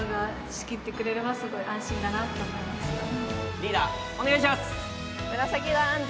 リーダーお願いします！